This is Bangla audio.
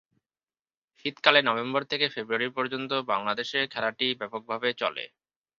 শীতকালে নভেম্বর থেকে ফেব্রুয়ারি পর্যন্ত বাংলাদেশে খেলাটি ব্যাপকভাবে চলে।